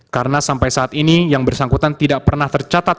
karena sampai saat ini yang bersangkutan tidak pernah tercatat